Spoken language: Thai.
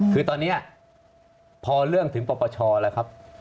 คือตอนนี้พอเรื่องถึงปปชแล้วครับ